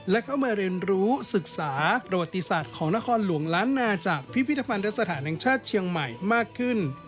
และเข้ามาเรียนรู้ศึกษาประวัติศาสตร์ของนครหลวงล้านนาจากพิพิธภัณฑสถานแห่งชาติเชียงใหม่มากขึ้น